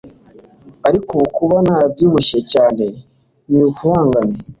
ariko ubu kuba narabyibushye cyane ntibikubangamira